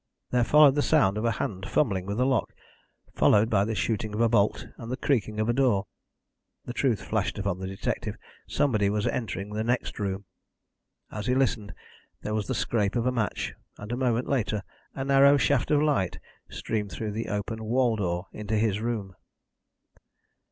There followed the sound of a hand fumbling with a lock, followed by the shooting of a bolt and the creaking of a door. The truth flashed upon the detective; somebody was entering the next room. As he listened, there was the scrape of a match, and a moment later a narrow shaft of light streamed through the open wall door into his room.